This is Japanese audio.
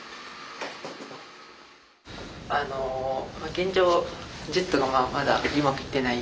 現状ジェットがまだうまくいってない。